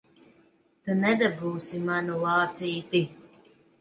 Tu nedabūsi manu lācīti!